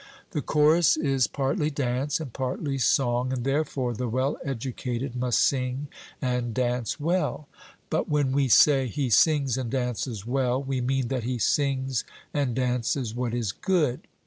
The chorus is partly dance and partly song, and therefore the well educated must sing and dance well. But when we say, 'He sings and dances well,' we mean that he sings and dances what is good.